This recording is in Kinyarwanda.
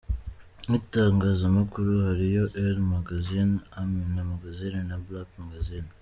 Nk’itangazamakuru hariyo Elle Magazine, Amina Magazine na Black Magazine.